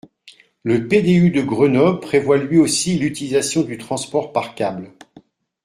Le PDU de Grenoble prévoit lui aussi l’utilisation du transport par câble.